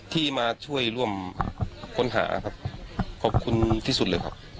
ที่มาช่วยร่วมค้นหาครับขอบคุณที่สุดเลยครับ